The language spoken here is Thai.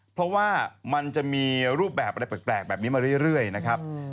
เพราะว่ามันจะมีรูปแบบอะไรแปลกแบบนี้มาเรื่อยนะครับ